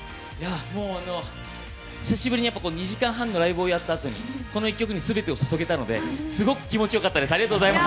もう久しぶりに２時間半のライブやったあとにこの１曲に全てを注げたので、すごく気持ちよかったです、ありがとうございます。